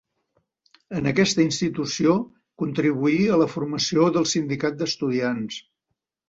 En aquesta institució contribuí a la formació del Sindicat d'Estudiants.